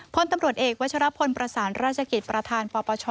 พลตำรวจเอกวัชรพลประสานราชกิจประธานปปช